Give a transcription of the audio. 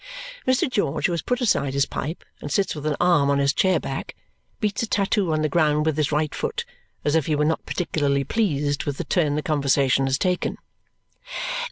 Mr. George, who has put aside his pipe and sits with an arm on his chair back, beats a tattoo on the ground with his right foot as if he were not particularly pleased with the turn the conversation has taken.